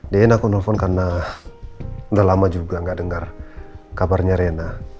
din aku nelfon karena udah lama juga gak dengar kabarnya reyna